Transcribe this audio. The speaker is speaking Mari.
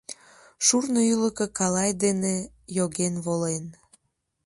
Шурно ӱлыкӧ калай дене йоген волен.